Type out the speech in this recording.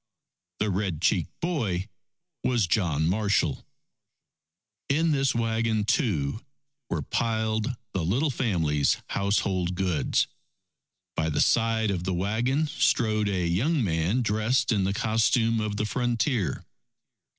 The red cheeked boy was John Marshall. In this wagon, too, were piled the little family's household goods. By the side of the wagon, strode a young man dressed in the costume of the frontier.